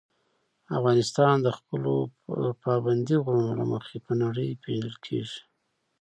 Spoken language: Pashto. افغانستان د خپلو پابندي غرونو له مخې په نړۍ پېژندل کېږي.